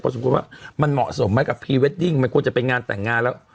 ประสบคุณว่ามันเหมาะสมนั้นกับพรีเวดดิ่งมากดจะเป็นงานแต่งงานแล้ว